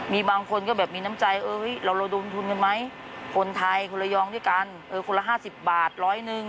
มีบางคนก็แบบมีน้ำใจเราระดมทุนกันไหมคนไทยคนละยองด้วยกันคนละ๕๐บาทร้อยหนึ่ง